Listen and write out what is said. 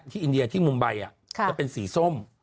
อินเดียที่มุมใบจะเป็นสีส้ม